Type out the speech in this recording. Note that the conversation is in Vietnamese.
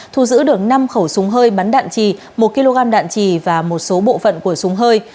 thu giữ được năm khẩu súng hơi bắn đạn trì một kg đạn trì và một số bộ phận của súng hơi